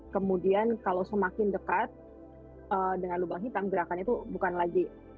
kemudian kalau semakin dekat dengan lubang hitam gerakan itu bukan lagi